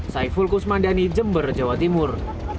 saiful kusmandani jember jawa timur